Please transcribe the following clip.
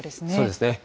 そうですね。